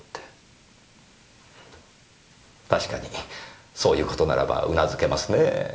確かにそういう事ならば頷けますねぇ。